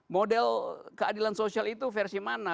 model keadilan sosial itu versi mana